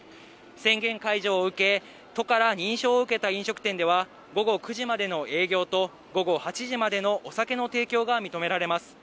宣言解除を受け、都から認証を受けた飲食店では、午後９時までの営業と、午後８時までのお酒の提供が認められます。